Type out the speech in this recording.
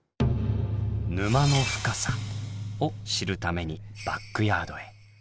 沼の深さを知るためにバックヤードへ。